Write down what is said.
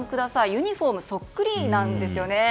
ユニホームがそっくりなんですね。